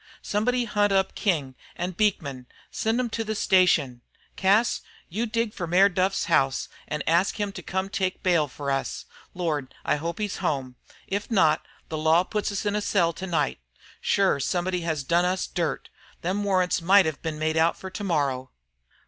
Somebody hunt up King an' Beekman an' send them to the station. Cas, you dig for Mayor Duff's house an' ask him to come to take bail for us. Lord! I hope he's home. If not, the law puts us in a cell to night. Shure somebody has done us dirt. Them warrants might have been made out for to morrow."